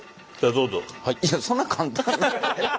いやそんな簡単に。